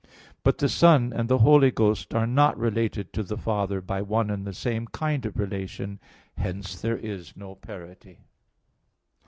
But the Son and the Holy Ghost are not related to the Father by one and the same kind of relation. Hence there is no parity.